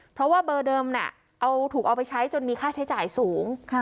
เพราะว่าเบอร์เดิมถูกเอาไปใช้จนมีค่าใช้จ่ายสูง